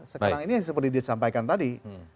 sekarang ini seperti disampaikan tadi